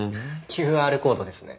ＱＲコードですね。